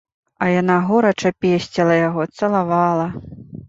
А яна горача песціла яго, цалавала.